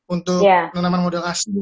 untuk menenaman model asli